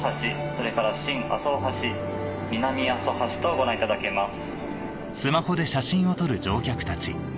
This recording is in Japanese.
それから新阿蘇大橋南阿蘇橋とご覧いただけます。